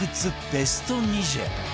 ベスト２０